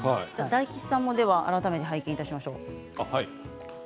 大吉さんは改めて拝見しましょう。